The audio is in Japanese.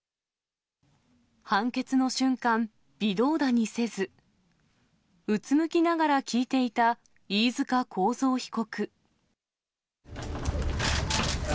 判決の瞬間、微動だにせず、うつむきながら聞いていた飯塚幸三被告。